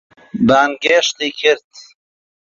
بانگێشتی کرد.